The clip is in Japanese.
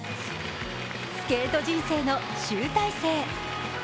スケート人生の集大成。